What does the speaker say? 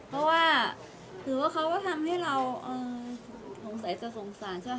เพราะว่าถือว่าเขาก็ทำให้เราสงสัยจะสงสารใช่ไหม